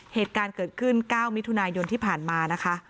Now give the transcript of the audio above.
เหตุการณ์เกิดขึ้น๙มิถุนายนที่ผ่านมานะคะ